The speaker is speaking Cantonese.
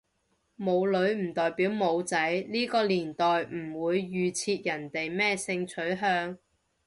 冇女唔代表冇仔，呢個年代唔會預設人哋咩性取向